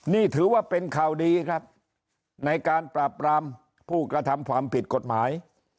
นี่ถือว่าเป็นข่าวดีครับในการปราบปรามผู้กระทำความผิดกฎหมาย